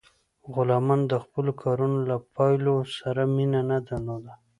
غلامانو د خپلو کارونو له پایلو سره مینه نه درلوده.